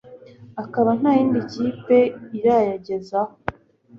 akaba ntayindi kipe irayagezaho